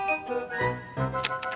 lo jangan numpetin ya